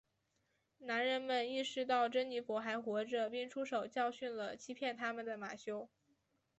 男人们意识到珍妮佛还活着并出手教训了欺骗他们的马修。